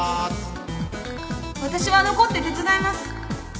私は残って手伝います！